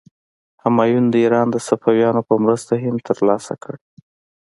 همایون د ایران د صفویانو په مرسته هند تر لاسه کړ.